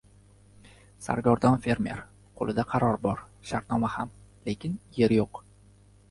Sargardon fermer: Qo‘lida qaror bor, shartnoma ham, lekin yer yo‘q?!